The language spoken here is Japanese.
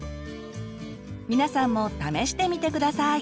皆さんも試してみて下さい！